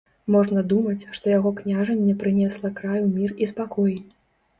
Можна думаць, што яго княжанне прынесла краю мір і спакой.